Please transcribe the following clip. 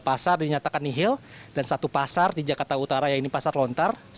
tiga pasar dinyatakan nihil dan satu pasar di jakarta utara yang ini pasar lontar